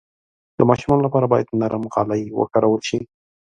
د ماشومانو لپاره باید نرم غالۍ وکارول شي.